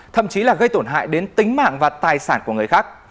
thậm chí là gây tổn hại đến tính mạng và tài sản của người khác